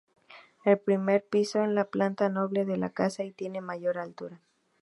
El primer piso es la planta noble de la casa y tiene mayor altura.